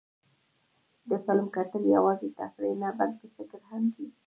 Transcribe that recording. د فلم کتل یوازې تفریح نه، بلکې فکر هم دی.